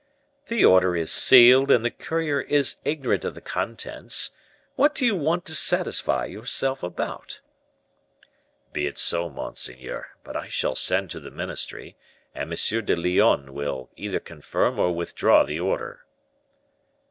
"The order is sealed, and the courier is ignorant of the contents. What do you want to satisfy yourself about?" "Be it so, monseigneur; but I shall send to the ministry, and M. de Lyonne will either confirm or withdraw the order."